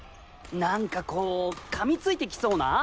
何かこう噛み付いてきそうな？